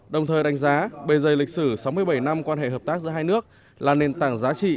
đồng thời đánh giá bề dày lịch sử sáu mươi bảy năm quan hệ hợp tác giữa hai nước là nền tảng giá trị